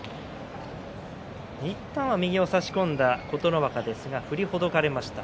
いったんは右を差し込んだ琴ノ若ですが振りほどかれました